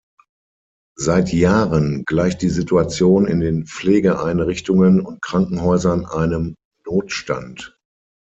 Seit Jahren gleicht die Situation in den Pflegeeinrichtungen und Krankenhäusern einem Notstand.